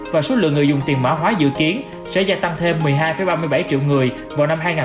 và số lượng người dùng tiền mã hóa dự kiến sẽ gia tăng thêm một mươi hai năm triệu usd